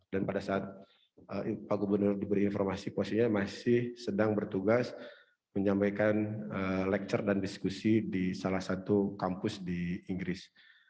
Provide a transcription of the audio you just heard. dan pada saat pak gubernur diberi informasi posisinya masih sedang bertugas menyampaikan lecture dan diskusi di salah satu kampus di inggris